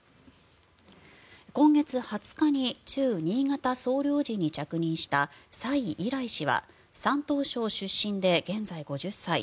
今月２０日に駐新潟総領事に着任したサイ・イライ氏は山東省出身で現在５０歳。